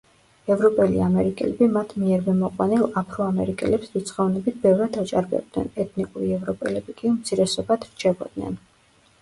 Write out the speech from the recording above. ევროპელი ამერიკელები მათ მიერვე მოყვანილ აფრო-ამერიკელებს რიცხოვნობით ბევრად აჭარბებდნენ, ეთნიკური ევროპელები კი უმცირესობად რჩებოდნენ.